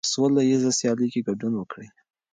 په سوله ییزه سیالۍ کې ګډون وکړئ.